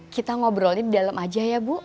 kita ngobrolin di dalam aja ya bu